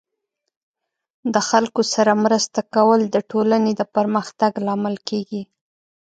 د خلکو سره مرسته کول د ټولنې د پرمختګ لامل کیږي.